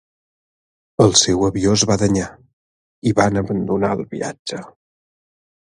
El seu avió es va danyar i van abandonar el viatge.